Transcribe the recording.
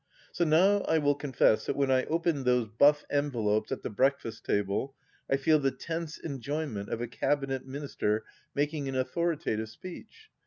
So now I will confess that when I open those buff envelopes at the breakfast table I feel the tense enjoyment of a Cabinet Minister making an authoritative speech.